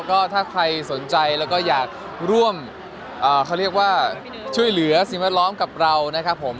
ก็ถ้าใครสนใจแล้วก็อยากร่วมเขาเรียกว่าช่วยเหลือสิ่งแวดล้อมกับเรานะครับผม